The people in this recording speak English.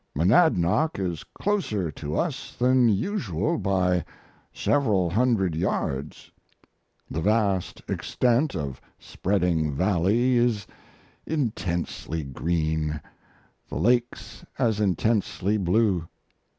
Monadnock is closer to us than usual by several hundred yards. The vast extent of spreading valley is intensely green the lakes as intensely blue.